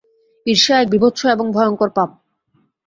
ঈর্ষা এক বীভৎস এবং ভয়ঙ্কর পাপ।